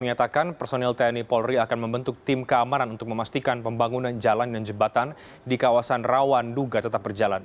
menyatakan personil tni polri akan membentuk tim keamanan untuk memastikan pembangunan jalan dan jembatan di kawasan rawan duga tetap berjalan